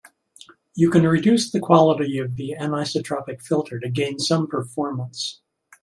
You can reduce the quality of the anisotropic filter to gain some performance.